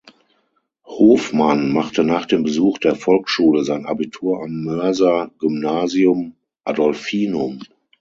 Hofmann machte nach dem Besuch der Volksschule sein Abitur am Moerser Gymnasium Adolfinum.